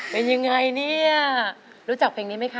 เป็นยังไงเนี่ยรู้จักเพลงนี้ไหมคะ